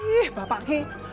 ih bapak nih